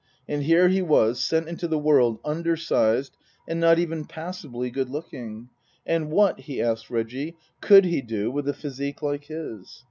And here he was sent into the world undersized and not even passably good looking. And what he asked Reggie could he do with a physique like his